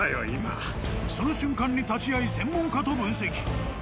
その瞬間に立ち会い専門家と分析。